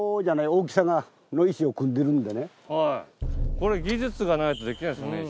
これ技術がないとできないですもんね。